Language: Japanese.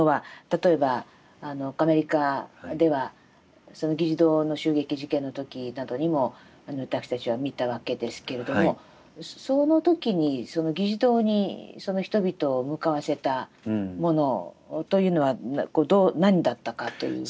例えばアメリカでは議事堂の襲撃事件の時などにも私たちは見たわけですけれどもその時にその議事堂に人々を向かわせたものというのは何だったかという。